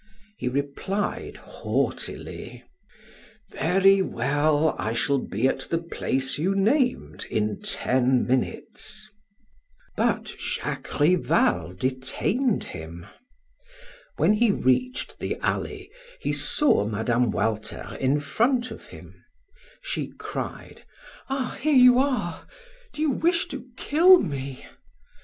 He replied haughtily: "Very well, I shall be at the place you named in ten minutes." But Jacques Rival detained him. When he reached the alley, he saw Mme. Walter in front of him; she cried: "Ah, here you are! Do you wish to kill me?"